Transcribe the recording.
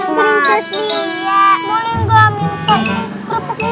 makan gak digangguin kalian berdua